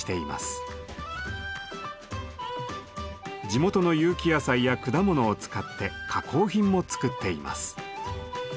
地元の有機野菜や果物を使って加工品も作っています。